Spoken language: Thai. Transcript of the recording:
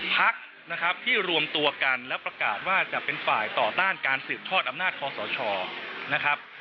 พักนะครับที่รวมตัวกันและประกาศว่าจะเป็นฝ่ายต่อต้านการสืบทอดอำนาจคอสชนะครับ